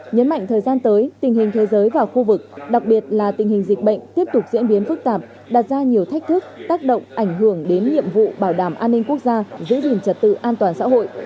nhấn mạnh thời gian tới tình hình thế giới và khu vực đặc biệt là tình hình dịch bệnh tiếp tục diễn biến phức tạp đặt ra nhiều thách thức tác động ảnh hưởng đến nhiệm vụ bảo đảm an ninh quốc gia giữ gìn trật tự an toàn xã hội